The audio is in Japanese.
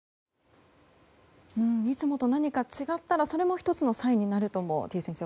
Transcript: いつもと何か違ったらそれも１つのサインになるとも、てぃ先生